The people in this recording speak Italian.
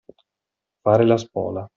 Fare la spola.